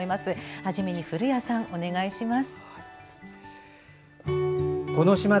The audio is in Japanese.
初めに古谷さん、お願いします。